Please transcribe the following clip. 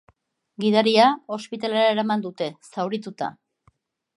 Gidaria ospitalera eraman dute, zaurituta.